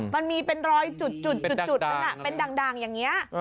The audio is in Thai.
มันมีเป็นรอยจุดนั้นเป็นด่างอย่างนี้